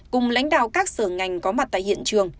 cùng lãnh đạo các sở ngành có mặt tại hiện trường